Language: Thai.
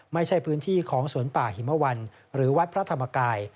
ไม่ใช่พื้นที่ของสวนป่าหิมวันหรือวัดพระธรรมกาย